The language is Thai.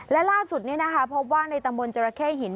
และล่าสุดนี้พบว่าในจังมนต์จอระเข้หิน